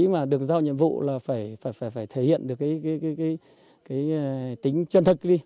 mà được giao nhiệm vụ là phải thể hiện được tính chân thật